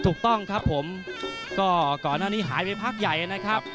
ถูกต้องครับผมก่อนอันนี้หายไปภาคใหญ่นะครับ